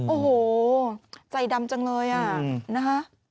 โอ้โหใจดำจังเลยน่ะ